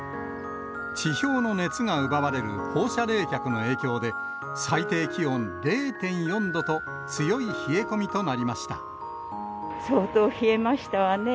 地表の熱が奪われる放射冷却の影響で、最低気温０．４度と、相当冷えましたわね。